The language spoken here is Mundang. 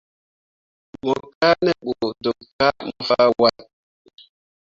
Mo kaa ne ɓu deb kah mo fah wat.